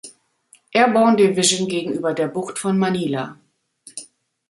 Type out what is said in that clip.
Airborne Division gegenüber der Bucht von Manila.